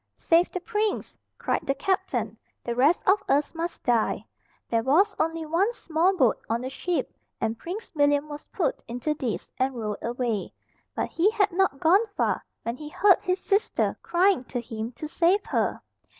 "Save the prince," cried the captain, "the rest of us must die!" There was only one small boat on the ship, and Prince William was put into this, and rowed away. But he had not gone far, when he heard his sister crying to him to save her.